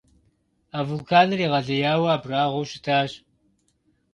А вулканыр егъэлеяуэ абрагъуэу щытащ.